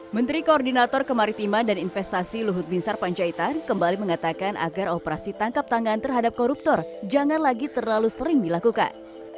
menteri koordinator kemaritiman dan investasi luhut binsar panjaitan kembali mengatakan agar operasi tangkap tangan terhadap koruptor jangan lagi terlalu sering dilakukan